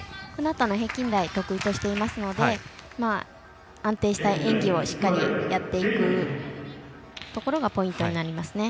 平均台を得意としていますので安定した演技をしっかりやっていくところがポイントになりますね。